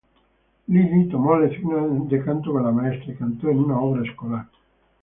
Lily tomó lecciones de canto con la maestra y cantó en una obra escolar.